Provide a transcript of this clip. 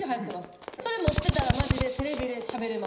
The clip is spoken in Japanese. それ持ってたらマジでテレビでしゃべれます。